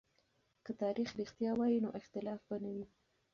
که تاريخ رښتيا وای نو اختلاف به نه و.